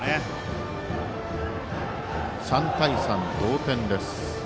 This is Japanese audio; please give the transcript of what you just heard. ３対３、同点です。